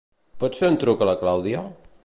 Pots fer un truc a la Clàudia?